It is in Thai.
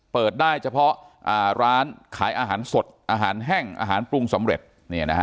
เปิดได้เฉพาะร้านขายอาหารสดอาหารแห้งอาหารปรุงสำเร็จ